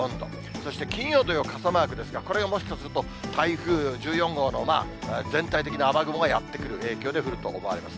そして金曜、土曜、傘マークですが、これがもしかすると、台風１４号の全体的な雨雲がやって来る影響で降ると思われます。